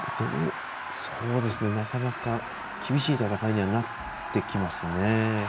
なかなか厳しい戦いにはなってきますね。